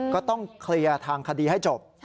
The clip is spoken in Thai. ก็ต้องเคลียร์ทางคดีให้จบ